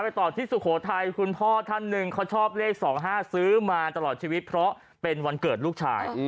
ต่อที่สุโขทัยคุณพ่อท่านหนึ่งเขาชอบเลข๒๕ซื้อมาตลอดชีวิตเพราะเป็นวันเกิดลูกชาย